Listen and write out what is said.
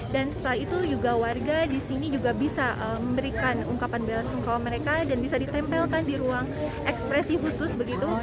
dan setelah itu juga warga disini juga bisa memberikan ungkapan berasungkawa mereka dan bisa ditempelkan di ruang ekspresi khusus begitu